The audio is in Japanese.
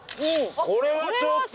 これはちょっと。